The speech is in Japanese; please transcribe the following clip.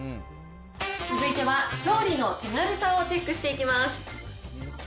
続いては、調理の手軽さをチェックしていきます。